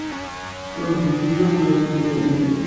Ur d-yeclig akk seg yedrimen.